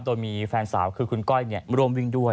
โดยมีแฟนสาวคือคุณก้อยร่วมวิ่งด้วย